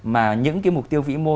mà những cái mục tiêu vĩ mô